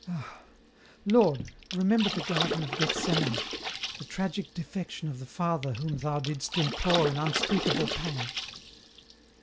Ah ! Lord, remember the garden of Gethsemani, the tragic defection of the Father whom Thou didst implore in unspeak able pangs."